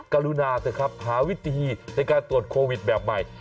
กรุณาเถอะครับหาวิธีในการตรวจโควิดแบบใหม่